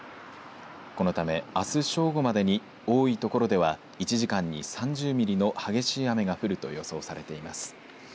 このため、あす正午までに多い所では１時間に３０ミリの激しい雨が降ると予想されています。